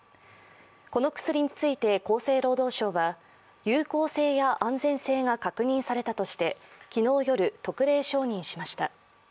この薬について厚生労働省は、有効性や安全性が確認されたとして、昨日夜、特例承認しました。